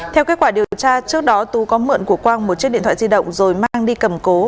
theo kết quả điều tra trước đó tú có mượn của quang một chiếc điện thoại di động rồi mang đi cầm cố